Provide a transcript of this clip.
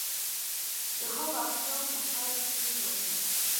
د خوب او خیال نقرهيي شپې راوړي